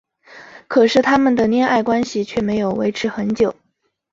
可是他们的恋爱关系却没有维持很久。